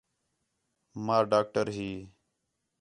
ماں ڈاکٹر ہی